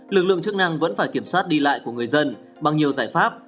lực lượng chức năng vẫn phải kiểm soát đi lại của người dân bằng nhiều giải pháp